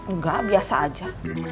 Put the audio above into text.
nggak biasa aja